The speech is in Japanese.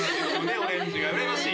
オレンジが羨ましい！